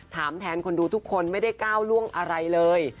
ถามแทนคนดูทุกคนไม่ได้ก้าวล่วงอะไรเลย